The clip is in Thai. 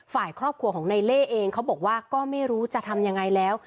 ฝ่ายครอบครัวของในเล่เองเขาบอกว่าก็ไม่รู้จะทำยังไงแล้ว